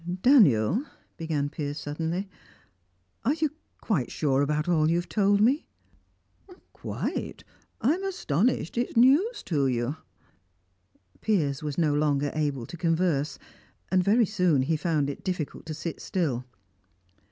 "Daniel," began Piers suddenly, "are you quite sure about all you have told me?" "Quite. I am astonished it's news to you." Piers was no longer able to converse, and very soon he found it difficult to sit still.